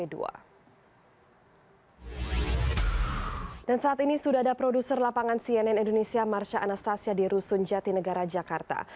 dan saat ini sudah ada produser lapangan cnn indonesia marsha anastasia di rusun jatinegara jakarta